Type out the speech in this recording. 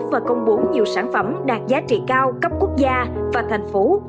và công bố nhiều sản phẩm đạt giá trị cao cấp quốc gia và thành phố